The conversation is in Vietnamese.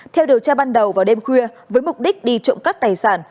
theo điều tra ban đầu vào đêm khuya với mục đích đi trộm cắp tài sản